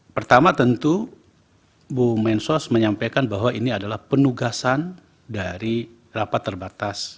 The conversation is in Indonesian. pertama tentu bu mensos menyampaikan bahwa ini adalah penugasan dari rapat terbatas